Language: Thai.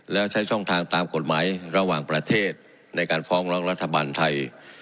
แล้วใช้ช่องทางตามกฎหมายระหว่างประเทศในการฟ้องร้องรัฐบาลไทย